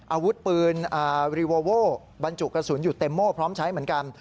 อาวุธปืนรีโวโว่บรรจุกระสุนอยู่เต็มโม่พร้อมใช้เหมือนกัน